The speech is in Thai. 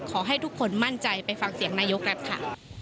ขอให้ทุกคนมั่นใจไปฟังเสียงนายกรัฐค่ะ